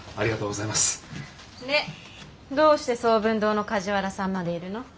でどうして聡文堂の梶原さんまでいるの？